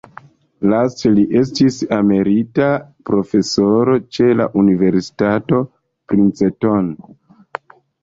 Laste li estis emerita profesoro ĉe la Universitato Princeton.